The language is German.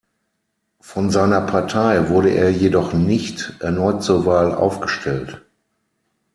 Von seiner Partei wurde er jedoch nicht erneut zur Wahl aufgestellt.